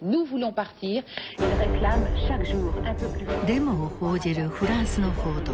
デモを報じるフランスの報道。